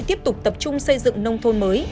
tiếp tục tập trung xây dựng nông thôn mới